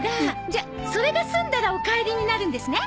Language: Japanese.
じゃそれが済んだらお帰りになるんですね？